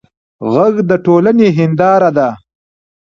غږ د ټولنې هنداره ده